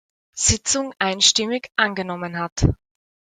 Sitzung einstimmig angenommen hat.